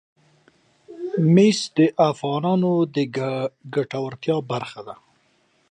مس د افغانانو د ګټورتیا برخه ده.